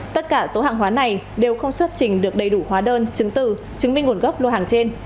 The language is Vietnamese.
tất cả số hàng hóa này đều không xuất trình được đầy đủ hóa đơn chứng từ chứng minh nguồn gốc lô hàng trên